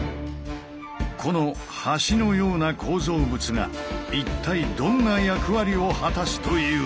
この橋のような構造物が一体どんな役割を果たすというのか？